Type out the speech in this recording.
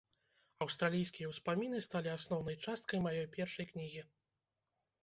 Аўстралійскія ўспаміны сталі асноўнай часткай маёй першай кнігі.